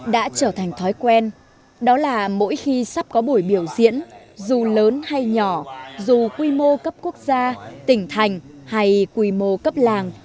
đã trở thành thói quen đó là mỗi khi sắp có buổi biểu diễn dù lớn hay nhỏ dù quy mô cấp quốc gia tỉnh thành hay quy mô cấp làng